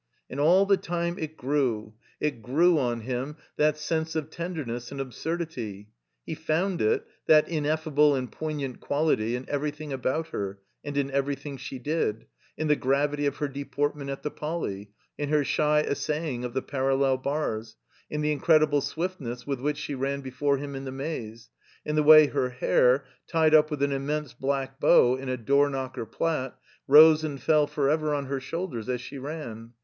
And all the time it grew, it grew on him, that sense of tenderness and absurdity. He found it — that ineffable and poignant quality — ^in everything about her and in everything she did — in the gravity of her deportment at the Poly. ; in her shy essajring of the parallel bars ; in the incredible swiftness with which she ran before him in the Maze; in the way her hair, tied up with an immense black bow in a x8 I I THE COMBINED MAZE door knocker plat, rose and fell forever on her shoulders as she ran.